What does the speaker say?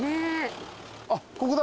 あっここだ。